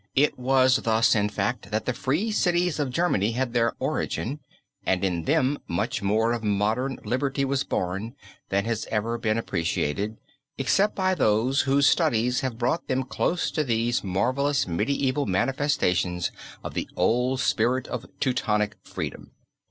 It was thus, in fact, that the free cities of Germany had their origin, and in them much more of modern liberty was born than has ever been appreciated, except by those whose studies have brought them close to these marvelous medieval manifestations of the old spirit of Teutonic freedom.